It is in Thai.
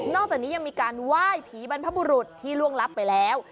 จากนี้ยังมีการไหว้ผีบรรพบุรุษที่ล่วงลับไปแล้ว